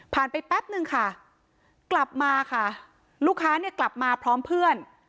ไปแป๊บนึงค่ะกลับมาค่ะลูกค้าเนี่ยกลับมาพร้อมเพื่อน